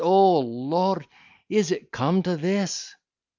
Lord! is it come to this?"